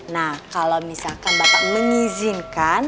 nah kalau misalkan bapak mengizinkan